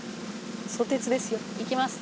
ソテツですよ。いきます。